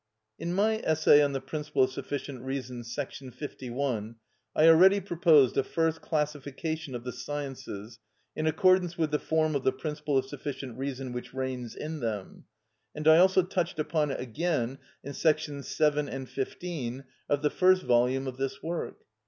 In my essay on the principle of sufficient reason, § 51, I already proposed a first classification of the sciences in accordance with the form of the principle of sufficient reason which reigns in them; and I also touched upon it again in §§ 7 and 15 of the first volume of this work.